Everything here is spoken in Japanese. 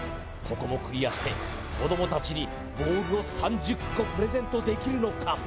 ここもクリアして子どもたちにボールを３０個プレゼントできるのか？